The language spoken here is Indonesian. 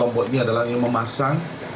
lalu yang ketiga adalah kelompok yang diambil uang